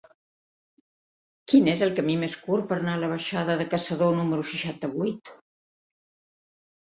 Quin és el camí més curt per anar a la baixada de Caçador número seixanta-vuit?